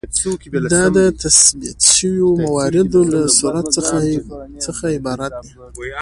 دا د تثبیت شویو مواردو له صورت څخه عبارت دی.